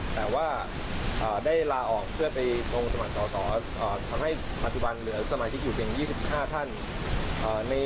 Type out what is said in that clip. แต่ว่าได้ลาออกเพื่อไปลงสมัครสอสอทำให้ปัจจุบันเหลือสมาชิกอยู่เพียง๒๕ท่าน